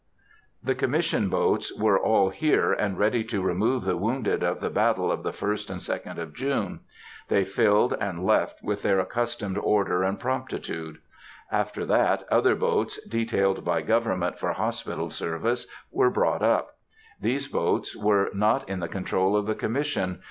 The Commission boats were all here, and ready to remove the wounded of the battle of the 1st and 2d of June. They filled and left with their accustomed order and promptitude. After that, other boats, detailed by government for hospital service, were brought up. These boats were not in the control of the Commission.